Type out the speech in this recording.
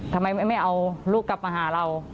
ทำไมไม่เอาลูกกลับมาหาเรา